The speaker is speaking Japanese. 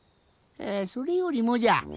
えそれよりもじゃ。